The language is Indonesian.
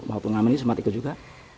bahwa pengamen ini semat ikut juga